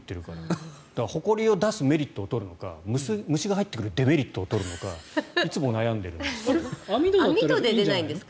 ほこりを出すメリットを取るのか虫が入ってくるデメリットを取るのか網戸だと出ないんですか？